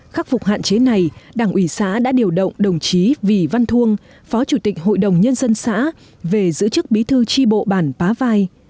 khắc phục hạn chế này đảng ủy xã đã điều động đồng chí vì văn thuông phó chủ tịch hội đồng nhân dân xã về giữ chức bí thư tri bộ bản pá vai